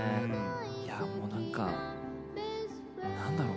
いやもうなんか何だろう